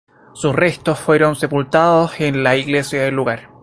Sus restos fueron sepultados en la iglesia del lugar.